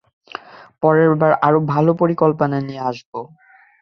পরেরবার আরো ভালো পরিকল্পনা নিয়ে আসব।